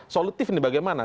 solutif ini bagaimana